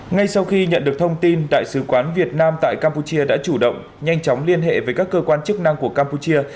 ngay sau khi nhận được thông tin đại sứ quán việt nam tại campuchia đã chủ động nhanh chóng liên hệ với các cơ quan chức năng của campuchia